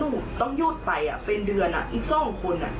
หนูต้องยืดไปเป็นเดือนอีกตรงคน